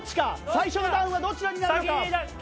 最初のダウンはどちらになるのか？